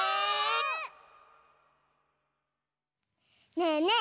ねえねえ！